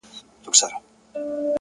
اراده د داخلي ضعف پر وړاندې ولاړه وي،